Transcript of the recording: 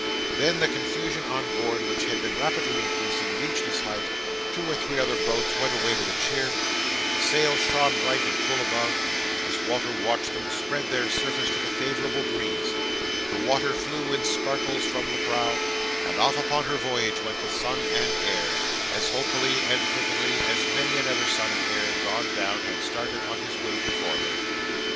Then the confusion on board, which had been rapidly increasing, reached its height; two or three other boats went away with a cheer; the sails shone bright and full above, as Walter watched them spread their surface to the favourable breeze; the water flew in sparkles from the prow; and off upon her voyage went the Son and Heir, as hopefully and trippingly as many another son and heir, gone down, had started on his way before her.